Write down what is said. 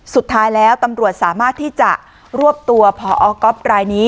สุดท้ายแล้วตำรวจสามารถที่จะรวบตัวพอก๊อฟรายนี้